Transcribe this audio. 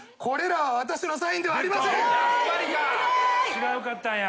違うかったんや。